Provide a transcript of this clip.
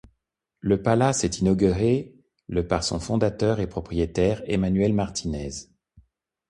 Le palace est inauguré le par son fondateur et propriétaire Emmanuel Martinez.